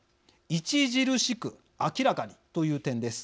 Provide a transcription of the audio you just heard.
「著しく」「明らかに」という点です。